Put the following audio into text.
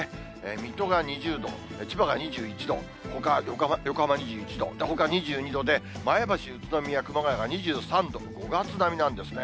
水戸が２０度、千葉が２１度、ほか、横浜２１度、ほか２２度で、前橋、宇都宮、熊谷が２３度、５月並みなんですね。